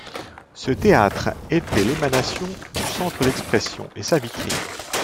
Ce théâtre était l'émanation du Centre d'expression et sa vitrine.